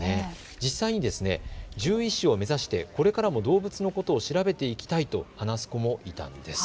実際に獣医師を目指してこれからも動物のことを調べていきたいと話す子もいたんです。